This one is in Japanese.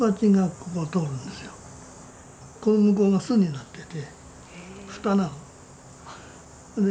この向こうが巣になってて蓋なの。